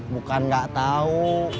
bukan gak tau